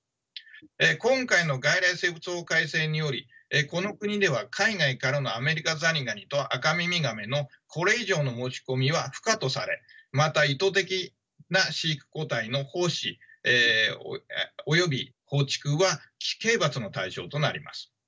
今回の外来生物法改正によりこの国では海外からのアメリカザリガニとアカミミガメのこれ以上の持ち込みは不可とされまた意図的な飼育個体の放飼および放逐は刑罰の対象となります。